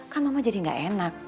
kan mama jadi nggak enak